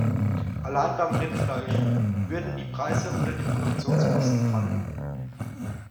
Allein beim Rindfleisch würden die Preise unter die Produktionskosten fallen.